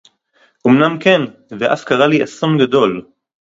אמנם כן! ואף קרה לי אסון גדול!